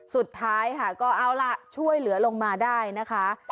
สุดท้ายค่ะก็เอาล่ะช่วยเหลือลงมาได้นะคะ